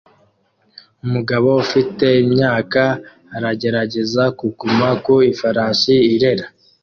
Umugabo ufite imyaka aragerageza kuguma ku ifarashi irera